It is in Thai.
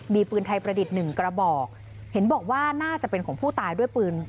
มีปืนไทยประดิษฐ์หนึ่งกระบอกเห็นบอกว่าน่าจะเป็นของผู้ตายด้วยปืน